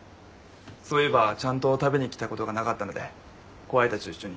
そういえばちゃんと食べに来たことがなかったので後輩たちと一緒に。